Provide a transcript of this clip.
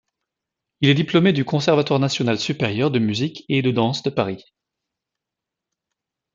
Il est diplômé du Conservatoire national supérieur de musique et de danse de Paris.